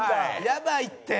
やばいって！